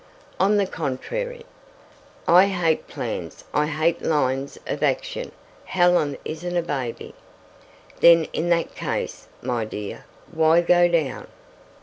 "On the contrary " "I hate plans. I hate lines of action. Helen isn't a baby." "Then in that case, my dear, why go down?"